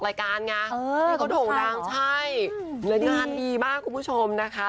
ทริกันและก็โถ่งล้างและงานดีมากทุกผู้ชมนะคะ